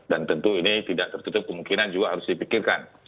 tentu ini tidak tertutup kemungkinan juga harus dipikirkan